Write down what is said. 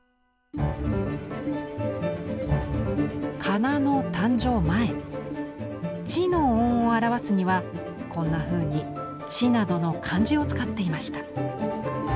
仮名の誕生前「ち」の音を表すにはこんなふうに「知」などの漢字を使っていました。